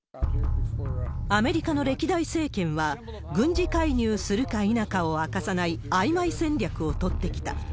アメリカの歴代政権は、軍事介入するか否かを明かさないあいまい戦略を取ってきた。